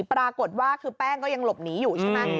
ปรากฏว่าคือแป้งก็ยังหลบหนีอยู่ใช่ไหม